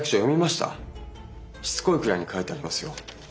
しつこいくらいに書いてありますよ。